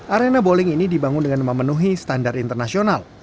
arena bowling ini dibangun dengan memenuhi standar internasional